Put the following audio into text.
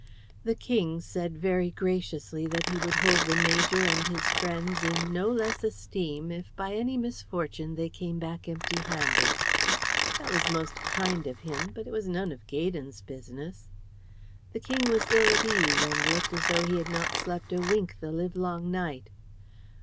The King said very graciously that he would hold the major and his friends in no less esteem if by any misfortune they came back empty handed. That was most kind of him, but it was none of Gaydon's business. The King was ill at ease and looked as though he had not slept a wink the livelong night.